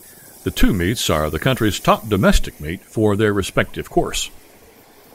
The two meets are the country's top domestic meet for their respective course.